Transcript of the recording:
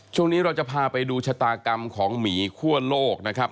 ช่วงนี้เราจะพาไปดูชะตากรรมของหมีคั่วโลกนะครับ